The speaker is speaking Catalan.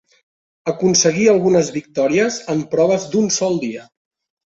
Aconseguí algunes victòries en proves d'un sol dia.